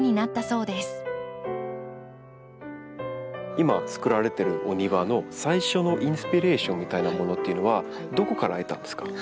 今つくられているお庭の最初のインスピレーションみたいなものっていうのはどこから得たんですか？